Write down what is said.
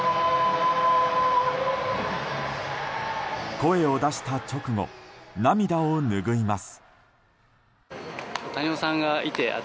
声を出した直後涙をぬぐいます。